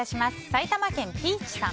埼玉県の方。